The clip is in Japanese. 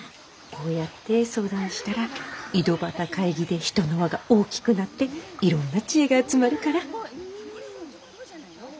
こうやって相談したら井戸端会議で人の輪が大きくなっていろんな知恵が集まるから。